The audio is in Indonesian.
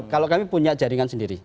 kalau kami punya jaringan sendiri